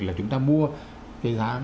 là chúng ta mua cái giá